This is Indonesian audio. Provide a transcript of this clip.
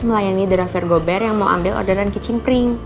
melayani driver gober yang mau ambil orderan kicing kering